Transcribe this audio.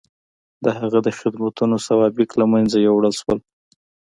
د هغه د خدمتونو سوابق له منځه یووړل شول.